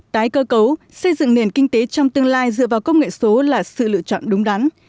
tái cơ cấu xây dựng nền kinh tế trong tương lai dựa vào công nghệ số là sự lựa chọn đúng đắn